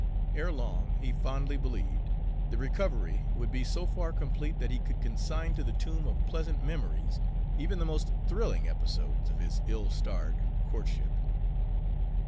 Erelong, he fondly believed, the recovery would be so far complete that he could consign to the tomb of pleasant memories even the most thrilling episodes of his ill starred courtship.